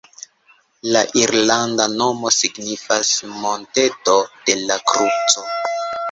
La irlanda nomo signifas “monteto de la kruco”.